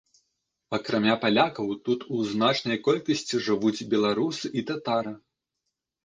Акрамя палякаў, тут у значнай колькасці жывуць беларусы і татары.